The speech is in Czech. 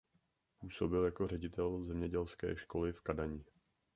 Působil jako ředitel zemědělské školy v Kadani.